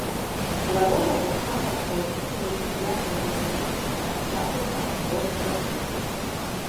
Хвароба таксама распаўсюджваецца шляхам размнажэння расадай ад хворых раслін.